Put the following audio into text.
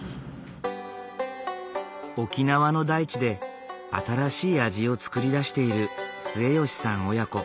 沖縄の大地で新しい味を作り出している末吉さん親子。